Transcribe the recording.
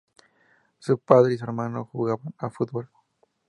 Su padre y su hermano jugaban a fútbol.